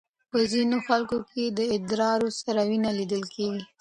په ځینو خلکو کې د ادرار سره وینه لیدل کېږي.